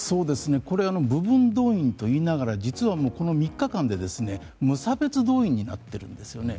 これ部分動員と言いながら実はこの３日間で無差別動員になっているんですね。